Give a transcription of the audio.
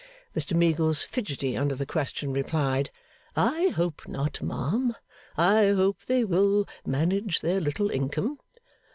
Mr Meagles, fidgety under the question, replied, 'I hope not, ma'am. I hope they will manage their little income.